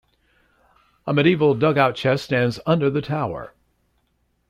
A medieval dugout chest stands under the tower.